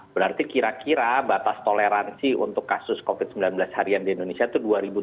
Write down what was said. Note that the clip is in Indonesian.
berarti kira kira batas toleransi untuk kasus covid sembilan belas harian di indonesia itu dua ribu dua puluh